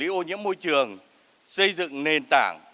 liên vùng xử lý ô nhiễm môi trường xây dựng nền tảng